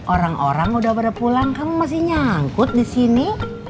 orang orang udah berpulang kamu masih nyangkut disini